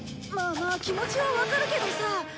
まあまあ気持ちはわかるけどさ。